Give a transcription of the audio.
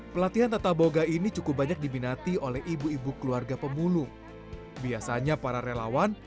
pelatihan tata boga ini cukup banyak diminati oleh ibu ibu keluarga pemulung biasanya para relawan